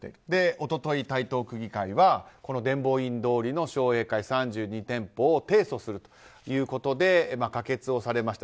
一昨日、台東区議会は伝法院通りの商栄会３２店舗を提訴するということで可決をされました。